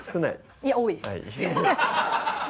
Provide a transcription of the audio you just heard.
いや多いです